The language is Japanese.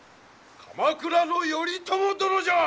鎌倉の頼朝殿じゃ！